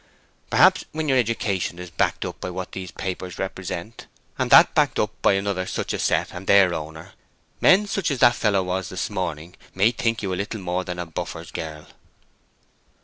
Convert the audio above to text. Perhaps when your education is backed up by what these papers represent, and that backed up by another such a set and their owner, men such as that fellow was this morning may think you a little more than a buffer's girl."